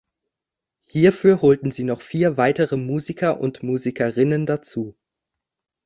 Hierfür holten sie noch vier weitere Musiker und Musikerinnen dazu.